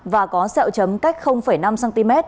và có sẹo chấm cách năm cm